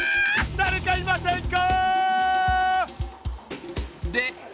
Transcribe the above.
だれかいませんか？